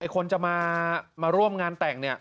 คนจะมาร่วมงานแต่ง